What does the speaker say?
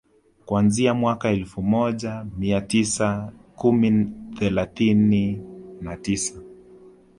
Kuanzia mwaka Elfu moja mia tisa kumi thelathini na tisa